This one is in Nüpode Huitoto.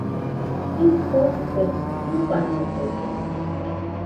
Jɨko kue jɨfanodode